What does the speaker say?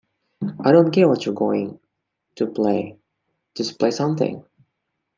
I don't care what you are going to play, just play something.